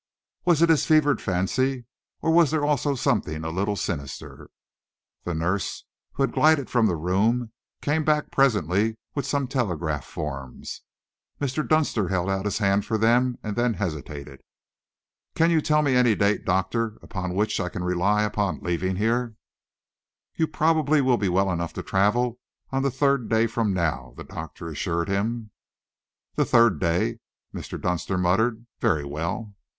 Was it his fevered fancy or was there also something a little sinister? The nurse, who had glided from the room, came back presently with some telegraph forms. Mr. Dunster held out his hand for them and then hesitated. "Can you tell me any date, Doctor, upon which I can rely upon leaving here?" "You will probably be well enough to travel on the third day from now," the doctor assured him. "The third day," Mr. Dunster muttered. "Very well."